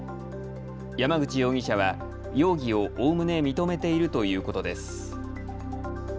山口容疑者は容疑をおおむね認めているということです。